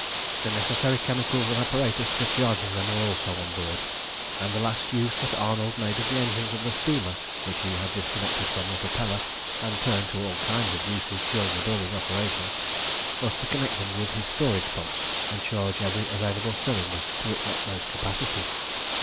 The necessary chemicals and apparatus for charging them were also on board, and the last use that Arnold made of the engines of the steamer, which he had disconnected from the propeller and turned to all kinds of uses during the building operations, was to connect them with his storage pumps and charge every available cylinder to its utmost capacity.